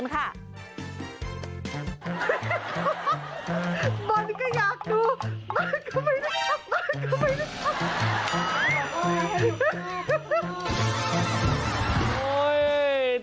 บอลก็อยากดูบอลก็ไม่ได้ฟังบอลก็ไม่ได้ฟัง